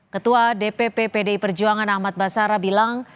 ketua dpp pdi perjuangan ahmad basara bilang